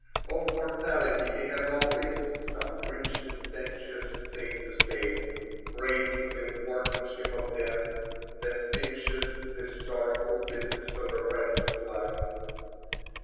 Of mortality he has always some rich sententious thing to say, praising 'the workmanship of death, that finishes the sorrowful business of a wretched life.'